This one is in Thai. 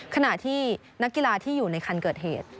ขณะที่นักกีฬาที่อยู่ในคันเกิดเหตุ